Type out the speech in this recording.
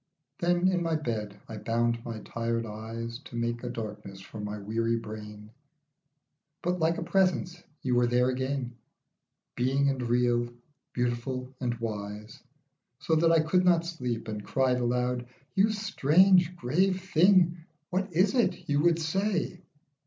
Then in my bed I bound my tired eyes To make a darkness for my weary brain ; But like a presence you were there again, Being and real, beautiful and wise, So that I could not sleep, and cried aloud, "You strange grave thing, what is it you would say